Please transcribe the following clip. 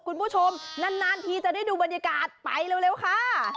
คุณผู้ชมนานทีจะได้ดูบรรยากาศไปเร็วค่ะ